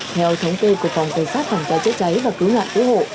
theo thống kê của phòng cảnh sát thành pháp cháy cháy và cứu ngạn cứu hộ